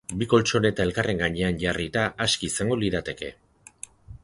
Bi koltxoneta elkarren gainean jarrita aski izango lirateke.